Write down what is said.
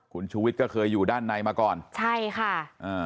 คุณชูวิทย์ก็เคยอยู่ด้านในมาก่อนใช่ค่ะอ่า